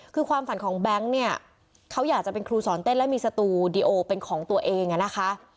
คือความฝันของแบงค์เนี่ยเขาอยากจะเป็นครูสอนเต้นและมีสตูดิโอเป็นของตัวเองนะคะ